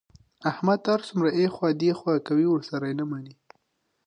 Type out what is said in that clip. احمد هر څومره ایخوا دیخوا کوي، ورسره یې نه مني.